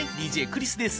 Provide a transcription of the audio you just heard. ＤＪクリスです。